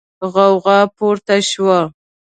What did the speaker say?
غوغا پورته شوه.